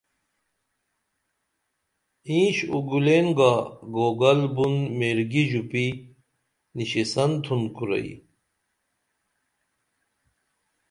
اینش اُگولین گا گوگل بُن میرگی ژوپی نشیسن تُھن کُرئی